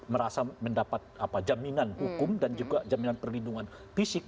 merasa mendapat jaminan hukum dan juga jaminan perlindungan fisik